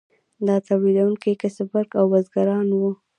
دا تولیدونکي کسبګر او بزګران وو.